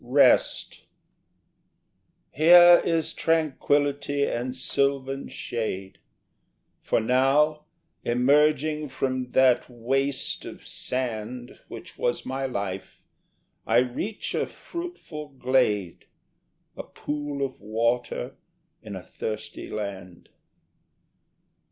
Rest Here is tranquillity and silvan shade; For now, emerging from that waste of sand Which was my life, I reach a fruitful glade, A pool of water in a thirsty land.